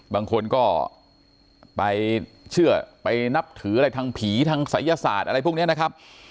บางคนก็ไปเชื่อไปนับถืออะไรทางผีทางศัยศาสตร์อะไรพวกนี้นะครับ